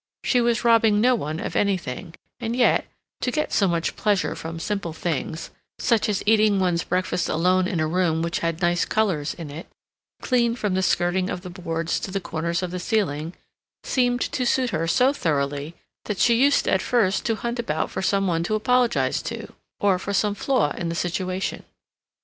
She was robbing no one of anything, and yet, to get so much pleasure from simple things, such as eating one's breakfast alone in a room which had nice colors in it, clean from the skirting of the boards to the corners of the ceiling, seemed to suit her so thoroughly that she used at first to hunt about for some one to apologize to, or for some flaw in the situation.